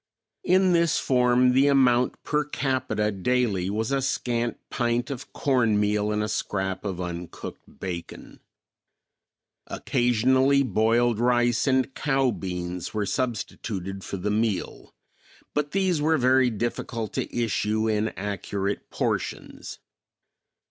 In this form the amount per capita daily was a scant pint of corn meal and a scrap of uncooked bacon. Occasionally boiled rice and cow beans were substituted for the meal, but these were very difficult to issue in accurate portions.